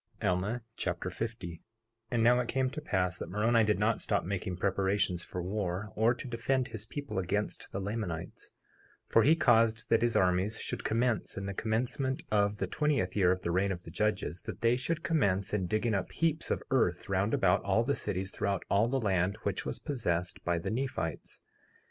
Alma Chapter 50 50:1 And now it came to pass that Moroni did not stop making preparations for war, or to defend his people against the Lamanites; for he caused that his armies should commence in the commencement of the twentieth year of the reign of the judges, that they should commence in digging up heaps of earth round about all the cities, throughout all the land which was possessed by the Nephites.